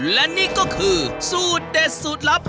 และนี่ก็คือสูตรเด็ดสูตรลับ